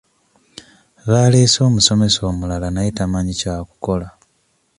Baaleese omusomesa omulala naye tamanyi kyakukola.